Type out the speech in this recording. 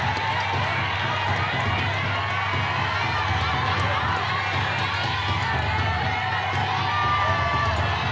เราก็ต้องเจอคุณผู้ชม